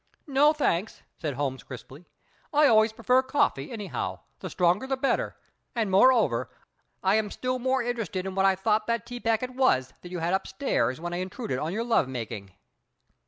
"No, thanks," said Holmes crisply, "I always prefer coffee, anyhow, the stronger the better; and moreover, I am still more interested in what I thought that tea packet was that you had upstairs when I intruded on your love making."